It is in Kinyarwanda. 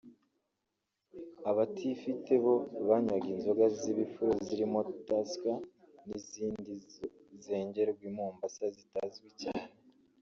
Abatifite bo banywaga inzoga z’ibifuro zirimo Tusker n’izindi zengerwa i Mombasa zitazwi cyane